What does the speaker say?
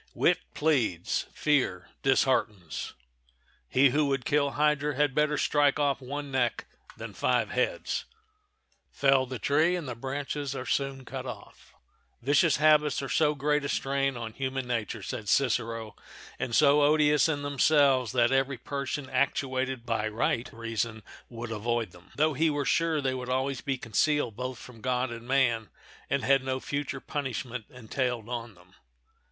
Wit pleads; fear disheartens. He who would kill hydra had better strike off one neck than five heads,—fell the tree and the branches are soon cut off. Vicious habits are so great a strain on human nature, said Cicero, and so odious in themselves that every person actuated by right reason would avoid them, though he were sure they would always be concealed both from God and man and had no future punishment entailed on them.